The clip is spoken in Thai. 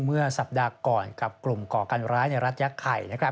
เมื่อสัปดาห์ก่อนกับกลุ่มก่อการร้ายในรัฐยักษ์ไข่